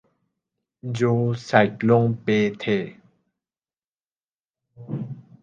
جو سائیکلوں پہ تھے۔